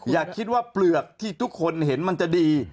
อย่าคิดว่าเปลือกที่ทุกคนเห็นมันจะดี